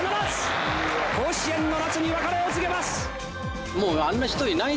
甲子園の夏に別れを告げます。